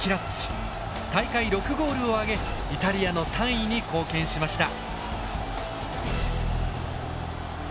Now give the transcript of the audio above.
大会６ゴールを挙げイタリアの３位に貢献しました。